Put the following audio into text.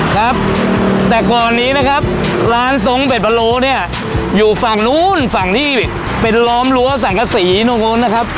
ครับแต่ก่อนนี้นะครับร้านทรงเด็ดบะโลเนี่ยอยู่ฝั่งนู้นฝั่งที่เป็นล้อมรั้วสังกษีตรงนู้นนะครับ